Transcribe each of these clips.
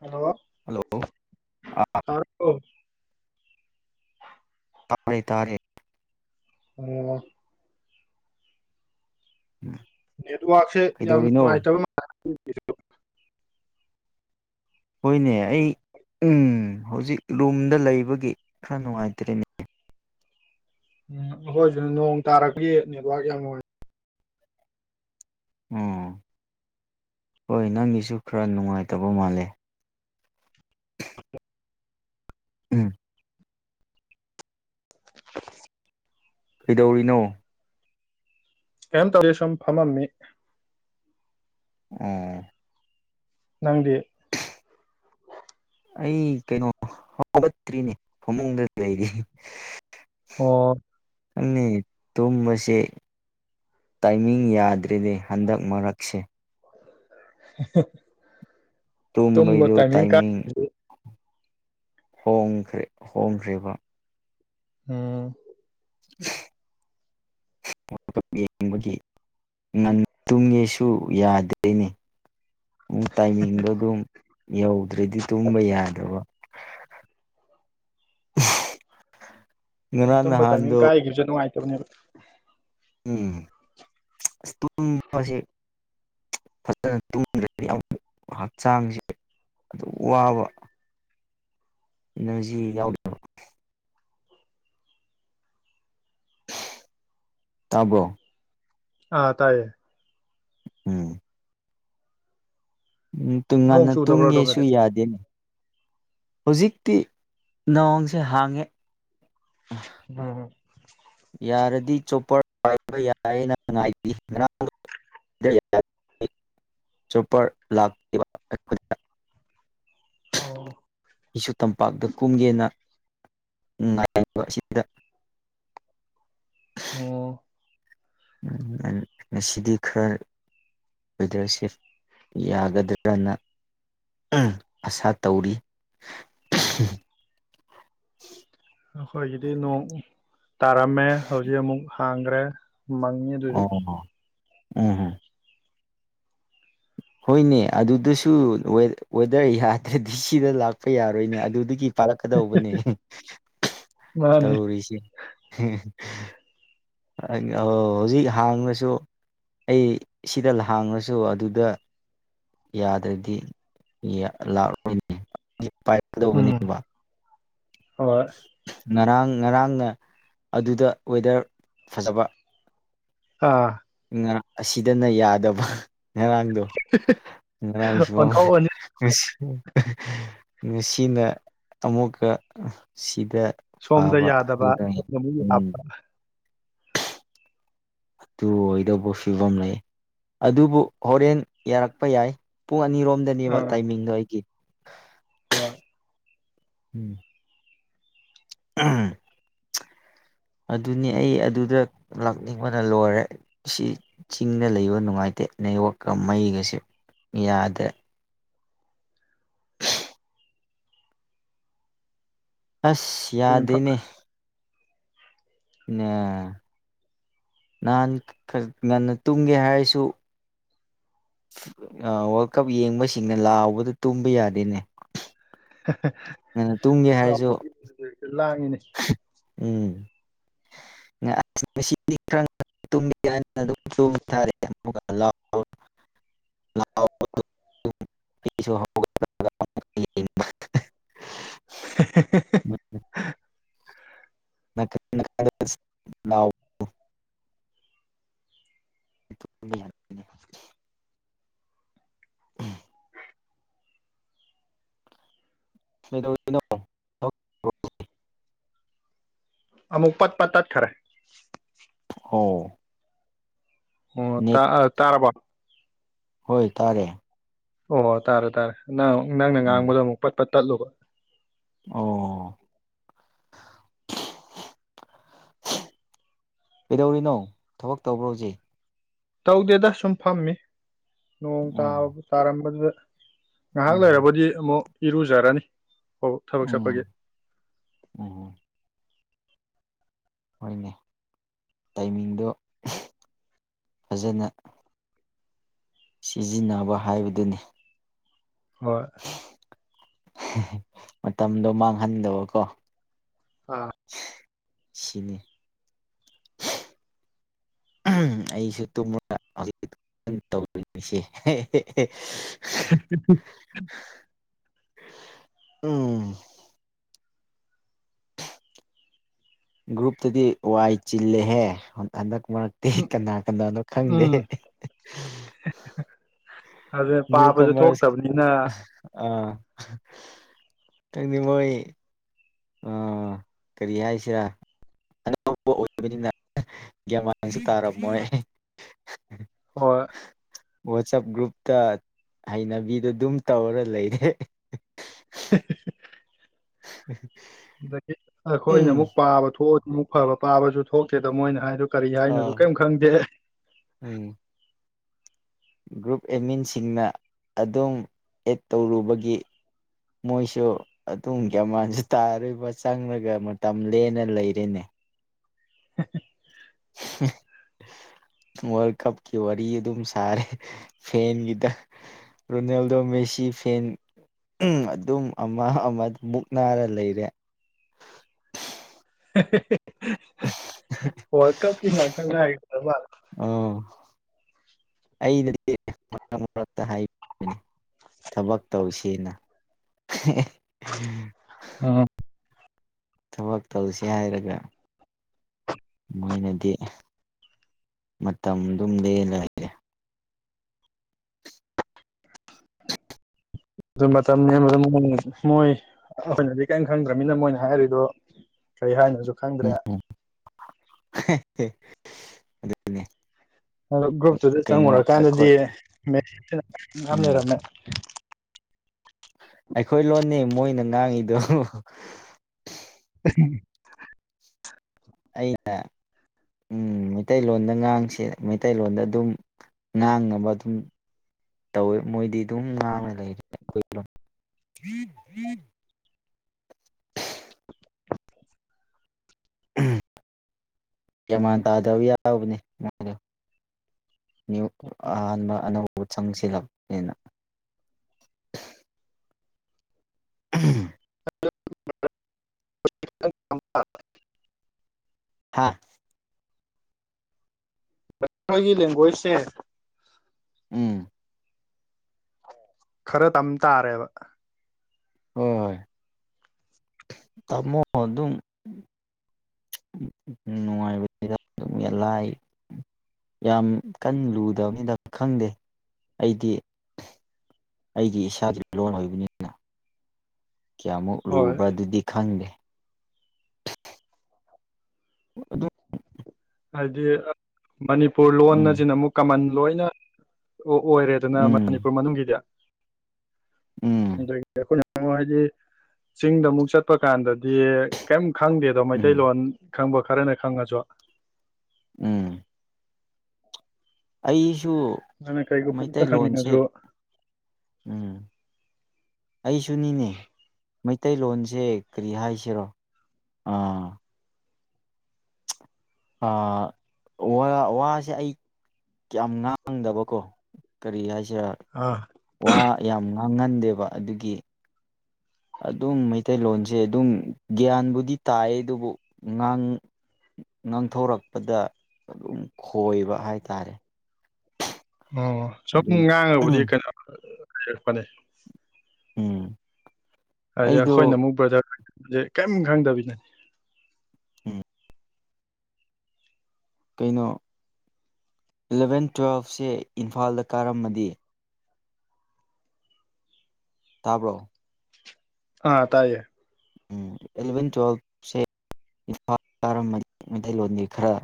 Hello hello ꯑꯥ ꯇꯥꯔꯕꯣ꯫ ꯇꯥ ꯇꯥꯔꯦ꯫ ꯎꯝ꯫ ꯎꯝ ꯅꯦꯠꯋꯥꯛꯛꯁꯦ ꯌꯥꯝ ꯅꯨꯡꯉꯥꯏꯇꯕ [unintelligible] ꯍꯣꯏꯅꯦ ꯑꯩ ꯎꯝ ꯍꯧꯖꯤꯛ ꯔꯨꯝꯗ ꯂꯩꯕꯒꯤ ꯈꯔ ꯅꯨꯡꯉꯥꯏꯇ꯭ꯔꯦꯅꯦ꯫ ꯎꯝ ꯑꯩꯈꯣꯏ ꯑꯗꯗ ꯅꯣꯡ ꯇꯥꯔꯗꯤ ꯅꯦꯠꯋꯥꯔꯛ ꯌꯥꯝ ꯅꯨꯡꯉꯥꯏ- ꯎꯝ ꯍꯣꯏ ꯅꯪꯒꯤꯁꯨ ꯈꯔ ꯅꯨꯡꯉꯥꯏꯇꯕ ꯃꯥꯜꯂꯦ꯫ ꯎꯝ꯫ ꯀꯩꯗꯧꯔꯤꯅꯣ꯫ ꯀꯏꯝ ꯇꯥꯗꯦ ꯁꯝ ꯐꯃꯝꯃꯤ꯫ ꯎꯝ꯫ ꯅꯪꯗꯤ꯫ ꯑꯩ ꯀꯩꯅꯣ ꯍꯧꯒꯠꯇ꯭ꯔꯤꯅꯦ ꯐꯃꯨꯡꯗ ꯂꯩꯔꯤ꯫ ꯑꯣ꯫ [unintelligible] ꯇꯨꯝꯕꯁꯦ ꯇꯥꯏꯃꯤꯡ ꯌꯥꯗ꯭ꯔꯦꯅꯦ ꯍꯟꯗꯛ ꯃꯔꯛꯁꯦ꯫ [unintelligible] ꯇꯨꯝꯕ ꯇꯥꯏꯃꯤꯡ ꯀꯥ ꯍꯣꯡꯈ꯭ꯔꯦ ꯍꯣꯡꯈ꯭ꯔꯦꯕ꯫ ꯎꯝ꯫ ꯋꯥꯜ ꯀꯞ ꯌꯦꯡꯕꯒꯤ ꯉꯟ ꯇꯨꯝꯒꯦꯁꯨ ꯌꯥꯗ꯭ꯔꯦꯅꯦ꯫ ꯇꯥꯏꯃꯤꯡꯗꯣ ꯑꯗꯨꯝ ꯌꯧꯗ꯭ꯔꯗꯤ ꯇꯨꯝꯕ ꯌꯥꯗꯕ꯫ [unintelligible] ꯇꯨꯝꯕ ꯇꯥꯏꯃꯤꯡ ꯅꯍꯥꯟꯗꯣ ꯀꯥꯏꯒꯤꯕꯖꯦ ꯅꯨꯡꯉꯥꯏꯇꯕꯅꯦꯕ꯫ ꯎꯝ ꯑꯁ ꯇꯨꯝꯕꯁꯦ꯫ ꯐꯖꯅ ꯇꯨꯝꯗ꯭ꯔꯗꯤ ꯌꯥꯝ ꯍꯛꯆꯥꯡꯖꯦ ꯑꯗꯨꯝ ꯋꯥꯕ꯫ ꯏꯅꯔꯖꯤ ꯌꯥꯎꯗꯕ꯫ ꯇꯥꯕ꯭ꯔꯣ꯫ ꯑꯥ ꯇꯥꯏꯌꯦ꯫ ꯎꯝ ꯎꯝ ꯅꯣꯡ ꯇꯨꯡꯉꯥꯟꯅ ꯆꯨꯗꯕ꯭ꯔꯣ ꯇꯨꯝꯒꯦꯁꯨ ꯑꯗꯣꯝꯗꯗꯤ ꯌꯥꯗꯦꯅꯦ ꯍꯧꯖꯤꯛꯇꯤ ꯅꯑꯣꯣꯡꯁꯦ ꯍꯥꯡꯉꯦ ꯎꯝ ꯌꯥꯔꯗꯤ ꯆꯣꯄ ꯄꯏꯄ ꯌꯥꯏ ꯅ ꯉ ꯁꯨꯄꯔ ꯂꯥꯛ ꯑꯣ ꯑꯩꯁꯨ ꯇꯝꯄꯥꯛꯇ ꯀꯨꯝꯒꯦꯅ ꯑꯁꯤꯗ ꯑꯣ ꯎꯝ ꯅꯁꯤꯗꯤ ꯈꯔ ꯂꯤꯗꯔꯁꯤꯐ ꯌꯥꯒꯗ꯭ꯔꯅ ꯑꯁꯥ ꯇꯧꯔꯤ [unintelligible] ꯑꯩꯈꯣꯏꯒꯤꯗꯤ ꯅꯣꯡ ꯇꯥꯔꯝꯃꯦ ꯍꯧꯖꯤꯛ ꯑꯃꯨꯛ ꯍꯥꯡꯈ꯭ꯔꯦ ꯃꯉꯤꯗꯔ ꯎꯝꯍꯝ [unintelligible] ꯍꯣꯏꯅꯦ ꯑꯗꯨꯗꯁꯨ ꯋꯦꯗꯔ ꯌꯥꯗ꯭ꯔꯗꯤ ꯁꯤꯗ ꯂꯥꯛꯄ ꯌꯥꯔꯣꯏꯅꯦ ꯑꯗꯨꯒꯤ ꯄꯥꯜꯂꯛꯀꯗꯧꯕꯅꯦ ꯃꯥꯅꯦ ꯇꯧꯔꯤꯁꯦ ꯍꯧꯖꯤꯛ ꯍꯥꯡꯅꯁꯨ ꯑꯩ ꯁꯤꯗ ꯂꯥꯡꯉꯁꯨ ꯑꯗꯨꯗ ꯌꯥꯗ꯭ꯔꯗꯤ ꯂꯥꯛꯑꯣꯣꯏꯅꯦ ꯄꯥꯏꯒꯗꯧꯕꯅꯦꯕ ꯍ ꯉꯔꯥꯡ ꯉꯔꯥꯡꯅ ꯑꯗꯨꯗ ꯋꯦꯗꯔ ꯐꯖꯕ ꯑꯥ ꯥꯡ ꯑꯁꯤꯗꯅ ꯌꯥꯗꯕ ꯉꯔꯥꯡꯗꯣ ꯉꯔꯥꯡꯁꯨ ꯑꯣꯟꯊꯣꯛ ꯑꯣꯟꯁꯤꯟ ꯐꯅꯨꯡꯁꯤ ꯉꯁꯤꯅ ꯑꯃꯨꯛꯀ ꯁꯤꯗ ꯁꯣꯝꯗ ꯐꯥꯕ ꯑꯗꯨ ꯌꯥꯗꯕ ꯇꯥꯏ ꯁꯣꯝꯗ ꯑꯃꯨꯛ ꯎꯝ ꯌꯥꯕ ꯑꯗꯨ ꯑꯣꯏꯗꯧꯕ ꯐꯤꯕꯝ ꯂꯩ ꯑꯗꯨꯕꯨ ꯍꯣꯔꯦꯟ ꯌꯥꯔꯛꯄ ꯌꯥꯏ ꯄꯨꯡ ꯑꯅꯤꯔꯣꯝ ꯗꯅꯦꯕ ꯑꯥ ꯇꯥꯏꯃꯤꯡꯗꯣ ꯑꯩꯒꯤ ꯍꯣꯏ ꯎꯝ ꯎꯝ ꯑꯗꯨꯅꯤ ꯑꯩ ꯑꯗꯨꯗ ꯂꯥꯛꯅꯤꯡꯕꯅ ꯂꯣꯏꯔꯦ ꯁꯤ ꯆꯤꯡꯗ ꯂꯩꯕ ꯅꯨꯡꯉꯥꯏꯇ ꯇꯦꯅ ꯌꯣꯛꯀ ꯃꯩꯒꯁꯨꯦ ꯌꯥꯗ꯭ꯔꯦ ꯑꯁ ꯁꯤ ꯏꯝꯐꯥ ꯌꯥꯗꯅꯦ ꯑꯦ ꯅꯍꯥꯟ ꯈꯔ ꯉꯟꯅ ꯇꯨꯝꯒꯦ ꯍꯥꯏꯔꯁꯨ ꯋꯥꯔꯜ ꯀꯞ ꯌꯦꯡꯕꯁꯤꯡꯅ ꯂꯥꯎꯕꯗ ꯇꯨꯝꯕ ꯌꯥꯗꯦꯅꯦ ꯉꯟꯅ ꯇꯨꯝꯒꯦ ꯍꯥꯏꯔꯁꯨ ꯍꯔꯥꯎꯕ ꯂꯥꯡꯉꯤꯅꯦ ꯎꯝ ꯉꯗꯤ ꯈ ꯇꯨꯡ ꯇꯥꯔꯦ ꯑꯃꯨ ꯂꯥꯎ ꯁꯨ ꯃꯦ ꯂ ꯕ ꯌꯥꯅꯦ ꯎꯝ ꯀꯩꯗꯧꯅꯣ ꯑꯃꯨꯛ ꯄꯠ ꯄꯠ ꯇꯠꯊꯔꯦ ꯍ ꯑꯣ ꯇꯥ ꯇꯥꯔꯥꯕ ꯍꯣꯏ ꯇꯥꯔꯦ ꯑꯣ ꯍꯣꯏ ꯇꯥꯔꯦ ꯇꯥꯔꯦ ꯅꯪ ꯅꯪꯅ ꯎꯝ ꯉꯥꯡꯕꯗꯣ ꯑꯃꯨꯛ ꯄꯠꯄꯠ ꯇꯠꯂꯨꯕ ꯑꯣ ꯀꯩꯗꯧꯔꯤꯅꯣ ꯊꯕꯛ ꯇꯧꯕ꯭ꯔ ꯍꯧꯖꯤꯦ ꯇꯧꯗꯦꯗ ꯁꯨꯝ ꯐꯝꯃꯤ ꯅꯣꯡ ꯎꯝ ꯇꯥꯕ ꯇꯥꯔꯝꯕꯗꯨꯗ ꯉꯥꯏꯍꯥꯛ ꯎꯝ ꯂꯩꯔꯕꯗꯤ ꯑꯃꯨꯛ ꯏꯔꯨꯖꯔꯅꯤ ꯑꯣ ꯊꯕꯛ ꯆꯠꯄꯒꯦ ꯎꯝ ꯎꯝ ꯍꯣꯏꯅꯦ ꯇꯥꯏꯃꯤꯡꯗꯣ ꯐꯖꯅ ꯁꯤꯖꯤꯟꯅꯕ ꯍꯥꯏꯕꯗꯨꯅꯤ ꯍꯣꯏ ꯃꯇꯝꯗꯣ ꯃꯥꯡꯍꯟꯗꯕꯀꯣ ꯑꯥ ꯁꯤꯅꯤ ꯑꯩꯁꯨ ꯇꯨꯝ ꯍꯧꯖꯤ ꯇꯁꯦ [unintelligible] ꯎꯝ ꯒ꯭ꯔꯨꯞꯇꯗꯤ ꯋꯥꯏ ꯆꯤꯜꯂꯦꯍꯦ ꯍꯟꯗꯛ ꯉꯇꯦ ꯎꯝ ꯀꯅꯥ ꯀꯅꯥꯅꯣ ꯈꯪꯗꯦ ꯎꯝ ꯑꯗꯨ ꯅ꯭ꯌꯨ ꯄꯥꯕꯁꯨ ꯀꯃꯔꯁ ꯊꯣꯛꯇꯕꯅꯤꯅ ꯑ ꯀꯗꯤ ꯃꯣꯏ ꯑꯥ ꯀꯔꯤ ꯍꯥꯏꯁꯤꯔꯥ ꯑꯅꯧꯕ ꯑꯣꯏꯕꯅꯤꯅ ꯒ꯭ꯌꯥꯃꯥꯟꯁꯨ ꯇꯥꯔꯝꯃꯣꯏ ꯍ ꯋꯥꯆꯞ ꯒ꯭ꯔꯨꯞꯇ ꯍꯩꯅꯕꯤꯗꯣ ꯑꯗꯨꯝ ꯇꯧꯔ ꯂꯩꯔꯦ ꯎ ꯑꯗꯒꯤ ꯑꯩꯈꯣꯏꯅ ꯑꯃꯨꯛ ꯄꯥꯕ ꯊꯣꯛꯑꯁꯨ ꯑꯃꯨꯛ ꯐꯕ ꯄꯥꯕꯁꯨ ꯊꯣꯛꯀꯦꯗꯣ ꯃꯣꯏꯅ ꯍꯥꯏꯗꯣ ꯀꯔꯤ ꯍꯥꯏꯅꯣꯗꯨ ꯑꯥ ꯀꯔꯤꯝ ꯈꯪꯗꯦ ꯎꯝ ꯒ꯭ꯔꯨꯞ ꯑꯦꯃꯤꯟꯁꯤꯡꯅ ꯑꯗꯨꯝ ꯑꯦꯠ ꯇꯧꯔꯨꯕꯒꯤ ꯃꯣꯏꯁꯨ ꯑꯗꯨꯝꯒꯤ ꯑꯃ ꯁꯨ ꯇꯥꯔꯣꯏꯔꯤꯕ ꯆꯪꯂꯉꯒ ꯃꯇꯝ ꯂꯦꯅ ꯂꯩꯔꯤꯅꯦ [unintelligible] [unintelligible] ꯋꯥꯔ ꯀꯞꯀꯤ ꯋꯥꯔꯤ ꯋꯥꯔꯤꯔꯤ ꯑꯗꯨ ꯁꯔꯦ ꯐꯦꯟꯒꯤꯗ ꯔꯣꯅꯦꯜꯗꯣ ꯃꯦꯁꯤ ꯐꯦꯟ ꯑꯗꯨꯝ ꯑꯃ ꯑꯃ ꯃꯨꯛꯅꯥꯔ ꯂꯩꯔꯦ [unintelligible] [unintelligible] ꯋꯥꯔꯜ ꯀꯞꯀꯤ ꯍꯥꯏ ꯑꯣ ꯑꯩꯗꯗꯤ ꯃꯔ ꯍꯥꯏ ꯊꯕꯛ ꯇꯧꯁꯦꯅ ꯊꯕꯛ ꯇꯧꯁꯤ ꯍꯥꯏꯔꯒ ꯃꯣꯏꯅꯗꯤ ꯃꯇꯝꯗꯨꯝ ꯂ ꯂꯩ ꯂꯩꯔꯦ ꯑꯗꯨ ꯃꯇꯝ ꯃꯣꯏ ꯑꯩꯈꯣꯏꯅꯗꯤ ꯀꯔꯤꯝ ꯈꯪꯗ꯭ꯔꯅꯤꯅ ꯃꯣꯏꯅ ꯍꯥꯏꯔꯤꯗꯨꯣ ꯀꯩ ꯍꯥꯏꯅꯤ ꯎꯝꯝ ꯑꯗꯨꯦ ꯑ ꯒ꯭ꯔꯨꯞꯇꯨꯗ ꯆꯪꯉꯨꯔꯀꯥꯟꯗꯗꯤ ꯑꯩꯈꯣꯏ ꯃꯦ ꯌꯥꯝ ꯎꯝ ꯂꯩꯔꯝꯃꯦ ꯑꯩꯈꯣꯏ ꯂꯣꯟꯅꯦ ꯃꯣꯏꯅ ꯉꯥꯡꯉꯤꯗꯣ ꯑꯩꯅ ꯎꯝ ꯃꯩꯇꯩꯂꯣꯟꯗ ꯉꯥꯡꯁꯦ ꯃꯩꯇꯩꯂꯣꯟꯗ ꯑꯗꯨꯝ ꯉꯥꯡꯅꯕ ꯑꯗꯨꯝ ꯇꯧꯋꯦ ꯃꯣꯏꯗꯤ ꯑꯗꯨꯝ ꯉꯥꯡꯅ ꯂꯩꯔꯦ ꯑꯩꯈꯣꯏꯒꯤ ꯃꯥꯟ ꯇꯥꯗꯕ ꯌꯥꯎꯕꯅꯦ ꯃꯥ ꯌꯨ ꯑꯍꯥꯟꯕ ꯑꯅꯧꯕꯧꯕ ꯆꯪꯁꯤꯂꯅꯤꯅ [unintelligible] ꯎꯝ [unintelligible] ꯍꯥꯥ ꯈꯣꯏꯒꯤ ꯂꯦꯡꯒ꯭ꯋꯦꯖꯁꯦ ꯎꯝ ꯈꯔ ꯇꯝ ꯇꯥꯔꯦꯕ ꯍꯣꯏ ꯇꯃꯣ ꯑꯗꯨꯝ ꯅꯨꯡꯉꯥꯏꯂ ꯌꯥꯝ ꯀꯟꯅ ꯂꯨꯗꯕꯅꯤꯗ ꯈꯪꯗꯦ ꯑꯩꯗꯤ ꯑꯩꯒꯤ ꯏꯁꯥꯒꯤ ꯂꯣꯟ ꯑꯣꯏꯕꯅꯤꯅ ꯀꯌꯥꯃꯨꯛ ꯍꯣꯏ ꯂꯨꯕ꯭ꯔꯥ ꯑꯗꯨꯗꯤ ꯈꯪꯗꯦ ꯑꯗꯨꯗ ꯍꯥꯏꯗꯤ ꯃꯅꯤꯄꯨꯔ ꯂꯣꯟ ꯎꯝ ꯑꯁꯤꯅ ꯑꯃꯨꯛ ꯀꯃꯟ ꯂꯣꯏꯅ ꯑꯣ ꯑꯣꯏꯔꯦ ꯑꯗꯨꯅ ꯎꯝ ꯃꯅꯤꯄꯨꯔ ꯃꯅꯨꯡꯒꯤꯗꯤ ꯎꯝ ꯗꯣꯏ ꯀꯣ ꯍꯥꯏꯗꯤ ꯆꯤꯡꯗ ꯑꯃꯨꯛ ꯆꯠꯄ ꯀꯥꯟꯗꯗꯤ ꯀꯔꯤꯝ ꯈꯪꯗꯦꯗꯣ ꯎꯝ ꯃꯩꯇꯩꯂꯣꯟ ꯈꯪꯕ ꯈꯔꯅꯦ ꯈꯪꯉꯁꯨ ꯎꯝ ꯑꯩ ꯁꯨ ꯑꯗꯨꯅ ꯀꯩꯒꯨꯝꯕ ꯑꯝꯇ ꯃꯩꯇꯩꯂꯣꯟꯁꯦ ꯍꯪꯅꯤꯡꯉꯁꯨ ꯎꯝ ꯑꯩꯁꯨꯅꯤꯅꯦ ꯃꯩꯇꯩꯂꯣꯟꯁꯦ ꯀꯔꯤ ꯍꯥꯏꯁꯤꯔꯣ ꯑꯥ ꯋꯥ ꯋꯥꯁꯦ ꯑꯩ ꯀꯌꯥꯝ ꯉꯥꯡꯗꯕꯀꯣ ꯀꯔꯤ ꯍꯥꯏꯁꯤꯦ ꯑꯥ ꯋꯥ ꯌꯥꯝ ꯉꯥꯡꯍꯟꯗꯦꯕ ꯑꯗꯨꯒꯤ ꯑꯗꯨꯝ ꯃꯩꯇꯩꯂꯣꯟꯁꯦ ꯑꯗꯨꯝ ꯒ꯭ꯌꯥꯟꯕꯨꯗꯤ ꯇꯥꯏ ꯑꯗꯨꯕꯨ ꯉꯥꯡ ꯉꯥꯡꯊꯣꯔꯛꯄꯗ ꯑꯗꯨꯝ ꯈꯣꯏꯕ ꯍꯥꯏꯇꯥꯔꯦ ꯑꯣ ꯁꯨꯝ ꯑꯗꯨꯝ ꯉꯥꯡꯉꯕꯨꯗꯤ ꯀꯩꯅꯣ ꯂꯩꯔꯛꯄꯅꯤ ꯎꯝ ꯍꯥꯏꯗꯤ ꯑꯩꯗꯣ ꯑꯩꯈꯣꯏꯅ ꯑꯃꯨꯛ ꯕ꯭ꯔꯗꯔꯁꯦ ꯀꯔꯤꯝ ꯈꯪꯗꯕꯤꯗꯅꯤ ꯎꯝ ꯀꯩꯅꯣ ꯏꯂꯚꯦꯟ ꯇꯨꯋꯦꯜꯐꯁꯦ ꯏꯝꯐꯥꯜꯗ ꯀꯥꯔꯝꯃꯗꯤ ꯇꯕꯣ ꯑꯥ ꯇꯥꯏꯌꯦ ꯎꯝ ꯑꯦꯂꯚꯦꯟ ꯇ꯭ꯋꯦꯜꯦ ꯏꯝꯐꯥꯜ ꯀꯔ ꯃꯩꯇꯩꯂꯣꯟꯒꯤꯂꯣꯟꯒꯤ ꯈꯔ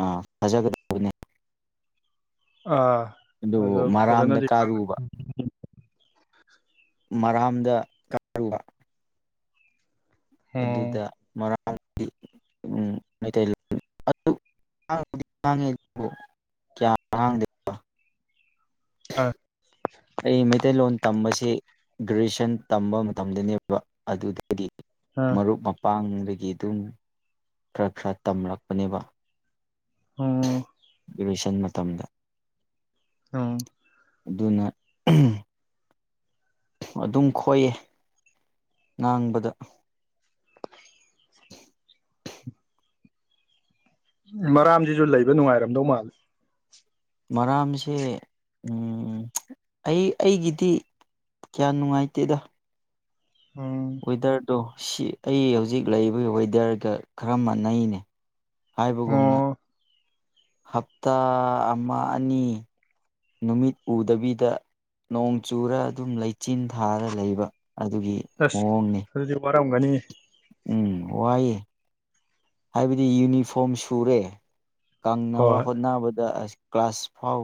ꯑ ꯁꯖꯒꯗ ꯑꯥ ꯑꯗꯨꯣ ꯃꯔꯥꯝꯗ ꯐꯖꯅꯗꯤ ꯀꯥꯔꯨꯕ ꯃꯔꯥꯝꯗ ꯀꯛꯛꯕ ꯎꯝ ꯑꯗꯨꯗ ꯃꯔꯥꯡꯒꯤ ꯃꯩꯇꯩ ꯀꯌꯥ ꯑ ꯑꯩ ꯃꯩꯇꯩꯂꯣꯟ ꯇꯝꯕꯁꯤ ꯒ꯭ꯔꯦꯖꯨꯌꯦꯁꯟ ꯇꯝꯕ ꯃꯇꯝꯗꯅꯦꯕ ꯑꯗꯨꯗ ꯍꯥꯏꯗꯤ ꯑꯥ ꯃꯔꯨꯞ ꯃꯄꯥꯡ ꯑꯩꯈꯣꯏꯒꯤ ꯑꯗꯨꯝ ꯈꯔ ꯈꯔ ꯇꯝꯂꯛꯄꯅꯦꯕ ꯑ ꯏꯂꯣꯏꯁꯟ ꯃꯇꯝꯗ ꯑ ꯑꯗꯨꯅ ꯑꯗꯨꯝ ꯈꯣꯏꯑ ꯉꯥꯡꯕꯗ [inaudible] ꯃꯔꯥꯝꯁꯤꯁꯨ ꯂꯩꯕ ꯅꯨꯡꯉꯥꯏꯔꯝꯗꯧ ꯃꯥꯜꯂꯦ ꯃꯔꯝꯁꯦ ꯑꯩ ꯑꯩꯒꯤꯗꯤ ꯀꯌꯥ ꯅꯨꯡꯉꯥꯏꯇꯦꯗ ꯎꯝ ꯋꯦꯗꯔꯗꯨꯣ ꯁꯤ ꯑꯩ ꯍꯧꯖꯤꯛ ꯂꯩꯔꯤꯕꯕ ꯋꯦꯗꯔꯒ ꯈꯔ ꯃꯥꯟꯅꯩꯅꯦ ꯍꯥꯏꯕꯒꯨꯝꯅ ꯑꯣ ꯍꯞꯇꯥ ꯑꯃ ꯑꯅꯤ ꯅꯨꯃꯤꯠ ꯎꯗꯕꯤꯗ ꯅꯣꯡ ꯆꯨꯔ ꯑꯗꯨꯝ ꯂꯩꯆꯤꯟ ꯊꯥꯔ ꯂꯩꯕ ꯑꯗꯨꯒꯤ ꯃꯑꯣꯡꯅꯤ ꯀꯝꯒꯅꯤ ꯎꯝ ꯋꯥꯏꯦ ꯍꯥꯏꯕꯗꯤ ꯌꯨꯅꯤꯐꯣꯔꯝ ꯁꯨꯔꯦ ꯀꯪꯅꯕ ꯍꯣꯏ ꯍꯣꯠꯅꯕꯗ ꯑ ꯀ꯭ꯂꯥꯁ ꯐꯥꯎ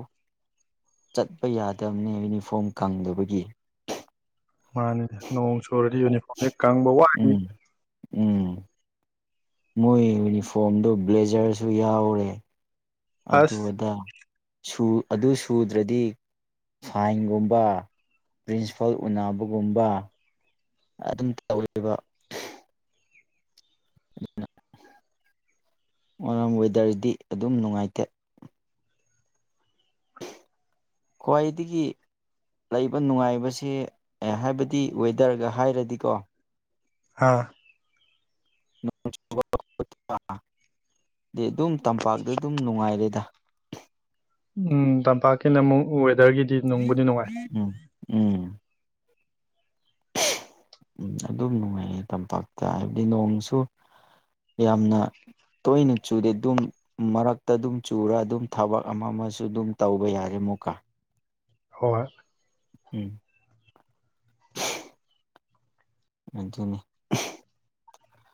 ꯆꯠꯄ ꯌꯥꯗꯕꯅꯤ ꯌꯨꯅꯤꯐꯣꯔꯝ ꯀꯪꯗꯕꯒꯤ ꯃꯥꯅꯤ ꯅꯣꯡ ꯆꯨꯔꯗꯤ ꯌꯨꯅꯤꯐꯣꯔꯝ ꯍꯦꯛ ꯀꯪꯕ ꯋꯥꯂꯤ ꯎꯝ ꯎꯝ ꯃꯣꯏ ꯌꯨꯅꯤꯐꯣꯔꯝꯗꯨ ꯕ꯭ꯂꯦꯖꯔꯁꯨ ꯌꯥꯎꯔꯦ ꯑꯁ ꯑꯗꯨꯗ ꯑꯗꯨ ꯁꯨꯗ꯭ꯔꯗꯤ ꯐꯥꯏꯟꯒꯨꯝꯕ ꯄ꯭ꯔꯤꯟꯁꯤꯄꯥꯜ ꯎꯅꯕꯒꯨꯝꯕ ꯑꯗꯨꯝ ꯇꯧꯔꯤꯕ ꯑꯗꯨꯅ ꯋꯥꯝ ꯋꯦꯗꯔꯗꯤ ꯑꯗꯨꯝ ꯅꯨꯡꯉꯥꯏꯇꯦ ꯈꯋ꯭ꯥꯢꯗꯒꯤ ꯂꯩꯕ ꯅꯨꯡꯉꯥꯏꯕꯁꯦ ꯍꯥꯏꯕꯗꯤ ꯋꯦꯗꯔꯒ ꯍꯥꯏꯔꯗꯤꯀꯣ ꯑ ꯑꯗꯨ ꯑꯗꯨꯝ ꯇꯝꯄꯥꯛꯇ ꯑꯗꯨꯝ ꯅꯨꯡꯉꯥꯏꯔꯦꯗ ꯎꯝ ꯇꯝꯄꯥꯛꯀꯤꯅ ꯑꯃꯨꯛ ꯋꯦꯗꯔꯒꯤꯗꯤ ꯅꯨꯡꯕꯨꯗꯤ ꯅꯨꯡꯉꯥꯏ ꯎꯝ ꯎꯝ ꯎꯝ ꯑꯗꯨꯝ ꯅꯨꯡꯉꯥꯏꯌꯦ ꯇꯝꯄꯥꯛꯇ ꯍꯥꯏꯕꯗꯤ ꯅꯣꯡꯁꯨ ꯌꯥꯝꯅ ꯇꯣꯏꯅ ꯆꯨꯗꯦ ꯑꯗꯨꯝ ꯃꯔꯛꯇ ꯑꯗꯨꯝ ꯆꯨꯔ ꯑꯗꯨꯝ ꯊꯕꯛ ꯑꯃ ꯑꯃꯁꯨ ꯑꯗꯨꯝ ꯇꯧꯕ ꯌꯥꯔ ꯃꯀꯥ ꯑ ꯎꯝ ꯃꯅꯦ